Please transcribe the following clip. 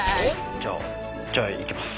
じゃあじゃあいきます。